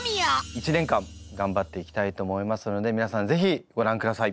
１年間頑張っていきたいと思いますので皆さんぜひご覧ください。